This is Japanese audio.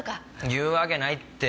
言うわけないって。